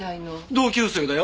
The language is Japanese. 同級生だよ。